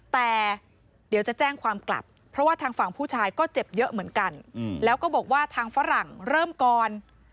แต่เดี๋ยวจะแจ้งความกลับเพราะว่าทางฝั่งผู้ชายก็เจ็บเยอะเหมือนกันแล้วก็บอกว่าทางฝรั่งเริ่มก่อน